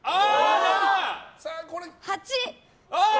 ８。